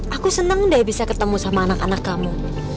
aku senang deh bisa ketemu sama anak anak kamu